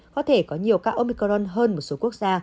có thể có nhiều ca omicron hơn một số quốc gia